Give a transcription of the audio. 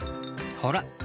ほら。